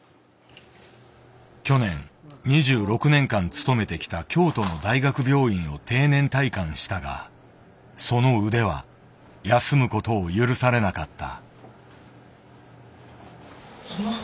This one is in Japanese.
去年２６年間勤めてきた京都の大学病院を定年退官したがその腕は休むことを許されなかった。